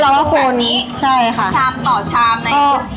แล้วก็เราดับส่วน